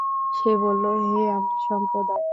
সে বলল, হে আমার সম্প্রদায়!